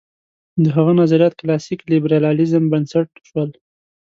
د هغه نظریات کلاسیک لېبرالېزم بنسټ شول.